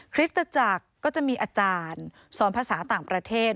คริสตจักรก็จะมีอาจารย์สอนภาษาต่างประเทศ